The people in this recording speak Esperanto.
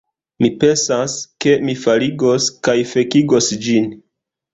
Mi pensas, ke mi faligos kaj fekigos ĝin